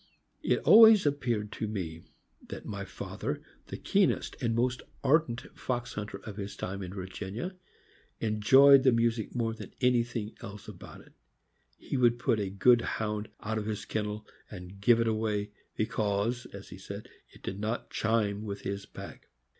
It always appeared to me that my father, the keenest and most ardent fox hunter of his time in Virginia, enjoyed the music more than any thing else about it. He would put a good Hound out of his kennel and give it away, because, as he said, it did not chime with his pack.